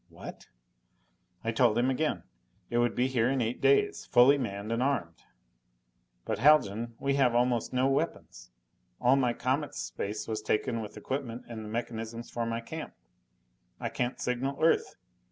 "What!" I told him again. It would be here in eight days. Fully manned and armed. "But Haljan, we have almost no weapons! All my Comet's space was taken with equipment and the mechanisms for my camp. I can't signal Earth!